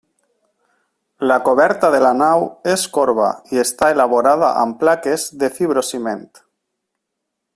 La coberta de la nau és corba i està elaborada amb plaques de fibrociment.